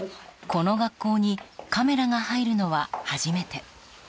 この学校にカメラが入るのは初めて。